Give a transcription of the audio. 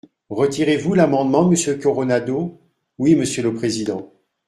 Retirez-vous l’amendement, monsieur Coronado ? Oui, monsieur le président.